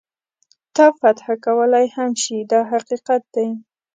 تا فتح کولای هم شي دا حقیقت دی.